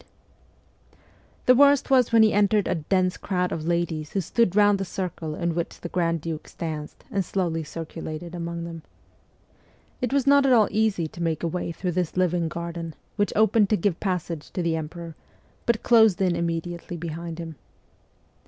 The THE COEPS OF PAGES 167 worst was when he entered a dense crowd of ladies who stood round the circle in which the grand dukes danced, and slowly circulated among them. It was not at all easy to make a way through this living garden, which opened to give passage to the emperor, but closed in immediately behind him.